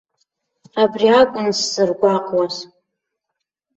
Абри акәын сзыргәаҟуаз.